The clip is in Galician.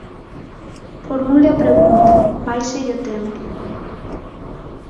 Formule a pregunta, váiselle o tempo.